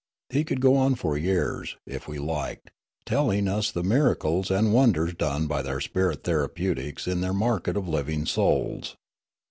He could go on for years, if we liked, telling us the miracles and wonders done by their spirit therapeutics in their market of living souls.